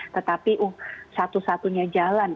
tetapi satu satunya jalan